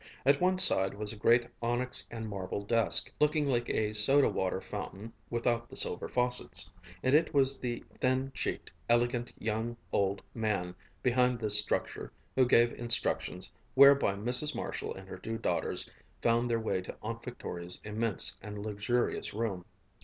At one side was a great onyx and marble desk, looking like a soda water fountain without the silver faucets, and it was the thin cheeked, elegant young old man behind this structure who gave instructions whereby Mrs. Marshall and her two daughters found their way to Aunt Victoria's immense and luxurious room.